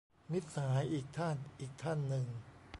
มิตรสหายอีกท่านอีกท่านหนึ่ง